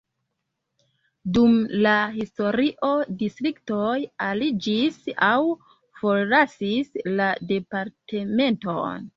Dum la historio distriktoj aliĝis aŭ forlasis la departementon.